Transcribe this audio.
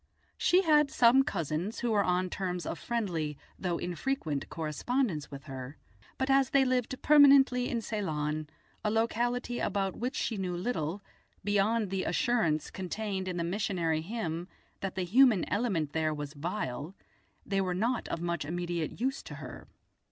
She had some cousins who were on terms of friendly, though infrequent, correspondence with her, but as they lived permanently in Ceylon, a locality about which she knew little, beyond the assurance contained in the missionary hymn that the human element there was vile, they were not of much immediate use to her.